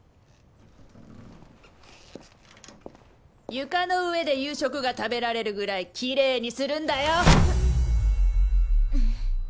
床の上で夕食が食べられるぐらいきれいにするんだよ！